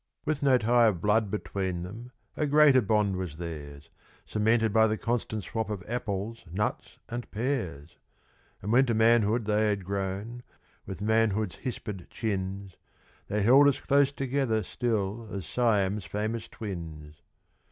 With no tie of blood between them, a greater bond was theirs, Cemented by the constant swop of apples, nuts, and pears; And when to manhood they had grown, with manhood's hispid chins, They held as close together still as Siam's famous twins.